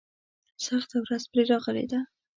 سخته ورځ پرې راغلې ده.